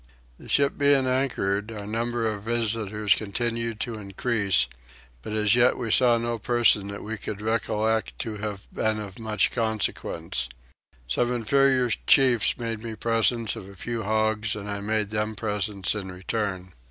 The ship being anchored, our number of visitors continued to increase; but as yet we saw no person that we could recollect to have been of much consequence. Some inferior chiefs made me presents of a few hogs and I made them presents in return.